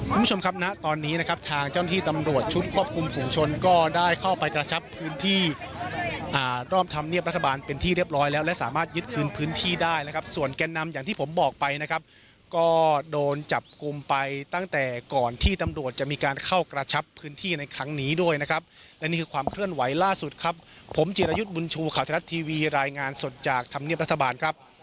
คุณผู้ชมครับนะตอนนี้นะครับทางเจ้าหน้าที่ตำรวจชุดควบคุมส่วนชนก็ได้เข้าไปกระชับพื้นที่อ่ารอบทำเนียบรัฐบาลเป็นที่เรียบร้อยแล้วและสามารถยึดคืนพื้นที่ได้นะครับส่วนแก่นำอย่างที่ผมบอกไปนะครับก็โดนจับกลุ่มไปตั้งแต่ก่อนที่ตำรวจจะมีการเข้ากระชับพื้นที่ในครั้งนี้ด้วยนะครับและน